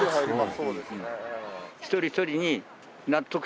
そうですね。